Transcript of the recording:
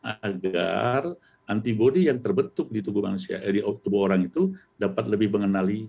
agar antibody yang terbentuk di tubuh orang itu dapat lebih mengenali